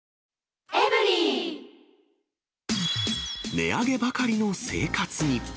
値上げばかりの生活に。